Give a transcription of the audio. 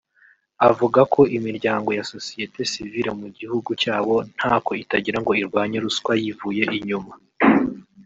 Avuga ko imiryango ya Sosiyete sivile mu gihugu cyabo ntako itagira ngo irwanye ruswa yivuye inyuma